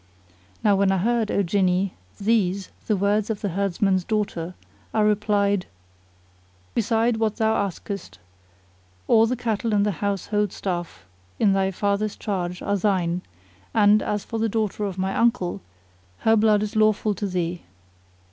Now when I heard, O Jinni, these, the words of the herdsman's daughter, I replied, "Beside what thou askest all the cattle and the household stuff in thy father's charge are thine and, as for the daughter of my uncle, her blood is lawful to thee."